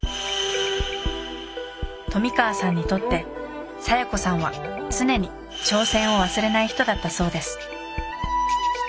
富川さんにとって小夜子さんは常に挑戦を忘れない人だったそうです